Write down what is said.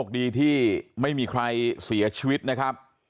ดีที่ไม่มีใครเสียชีวิตนะครับ